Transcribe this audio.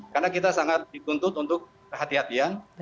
karena kita sangat dituntut untuk kehati hatian